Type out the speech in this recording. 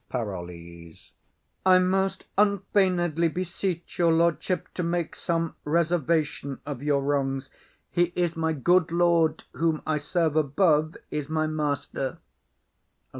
PAROLLES. I most unfeignedly beseech your lordship to make some reservation of your wrongs. He is my good lord; whom I serve above is my master.